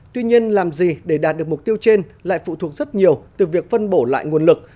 tuy nhiên làm gì để đạt được mục tiêu trên lại phụ thuộc rất nhiều từ việc phân bổ lại nguồn lực